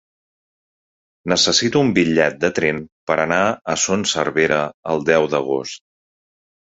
Necessito un bitllet de tren per anar a Son Servera el deu d'agost.